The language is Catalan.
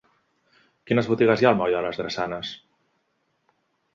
Quines botigues hi ha al moll de les Drassanes?